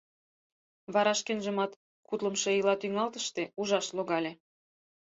Вара шкенжымат кудлымшо ийла тӱҥалтыште ужаш логале.